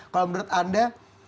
kalau menurut anda